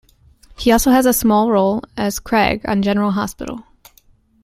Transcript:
He also had a small role as Craig on "General Hospital".